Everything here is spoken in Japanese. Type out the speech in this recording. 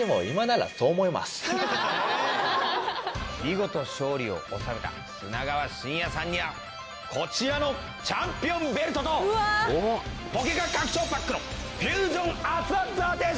見事勝利を収めた砂川信哉さんにはこちらのチャンピオンベルトとポケカ拡張パックの「フュージョンアーツ」を贈呈します！